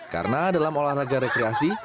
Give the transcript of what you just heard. karena dalam olahraga rekreasi